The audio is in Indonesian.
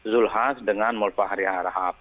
zulhaz dengan molfahari harahab